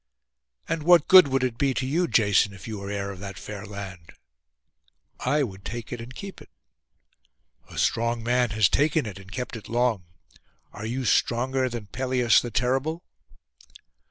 'And what good would it be to you, Jason, if you were heir of that fair land?' 'I would take it and keep it.' 'A strong man has taken it and kept it long. Are you stronger than Pelias the terrible?